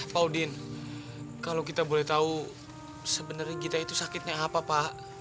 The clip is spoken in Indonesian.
pak audin kalau kita boleh tahu sebenarnya kita itu sakitnya apa pak